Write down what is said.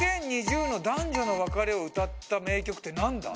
２０２０の「男女の別れを歌った名曲」ってなんだ？